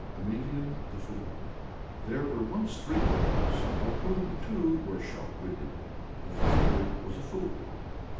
EMILIAN THE FOOL. There were once three brothers, of whom two were sharp witted, but the third was a fool.